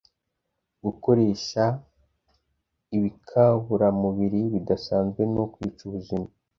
Gukoresha ibikaburamubiri bidasanzwe ni ukwica ubuzima